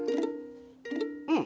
うん！